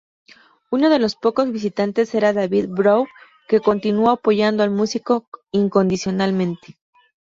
Uno de sus pocos visitantes era David Bowie, que continuó apoyando al músico incondicionalmente.